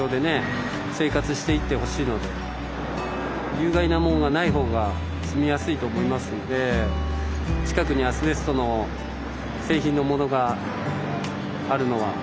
有害なもんがない方が住みやすいと思いますんで近くにアスベストの製品のものがあるのは。